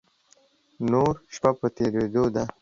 نوره شپه په تېرېدو ده.